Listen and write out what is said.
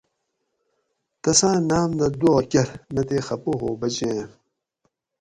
تساں ناۤم دہ دعاکۤر نہ تے خپہ ہو بچیں